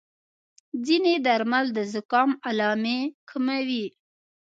ځینې درمل د زکام علامې کموي.